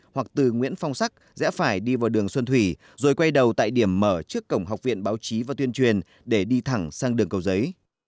hoặc từ nguyễn phong sắc rẽ phải đi vào đường xuân thủy rồi quay đầu tại điểm mở trước cổng học viện báo chí và tuyên truyền để đi thẳng sang đường cầu giấy